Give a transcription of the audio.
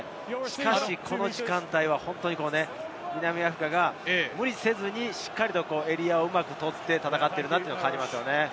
しかしこの時間帯は南アフリカが無理せずにしっかりエリアをうまくとって戦っているというのを感じます。